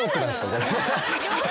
これ。